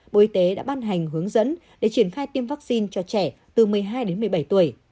bộ y tế đã ban hành hướng dẫn để triển khai tiêm vaccine cho trẻ từ một mươi hai đến một mươi bảy tuổi